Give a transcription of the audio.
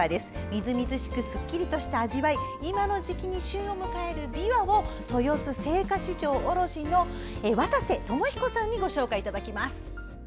みずみずしくてすっきりとした味わい今の時期に旬を迎えるびわを豊洲青果市場卸、渡瀬智彦さんにご紹介いただきます。